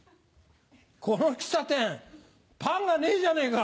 この喫茶店パンがねえじゃねぇか。